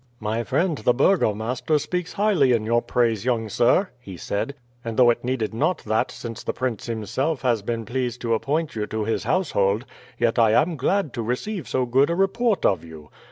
"My friend the burgomaster speaks highly in your praise, young sir," he said; "and although it needed not that since the prince himself has been pleased to appoint you to his household, yet I am glad to receive so good a report of you.